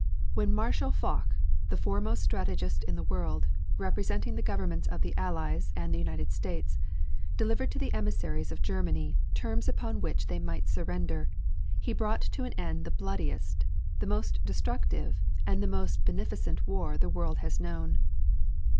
When Marshal Foch, the foremost strategist in the world, representing the governments of the Allies and the United States, delivered to the emissaries of Germany terms upon which they might surrender, he brought to an end the bloodiest, the most destructive and the most beneficent war the world has known.